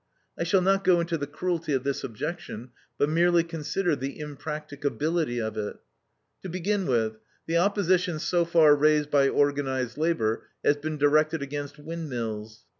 I shall not go into the cruelty of this objection, but merely consider the impracticability of it. To begin with, the opposition so far raised by organized labor has been directed against windmills.